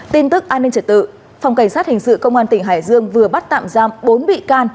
tin tức an ninh trật tự phòng cảnh sát hình sự công an tỉnh hải dương vừa bắt tạm giam bốn bị can